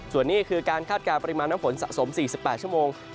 ส่วนนี้คือการคาดการณปริมาณน้ำฝนสะสม๔๘ชั่วโมง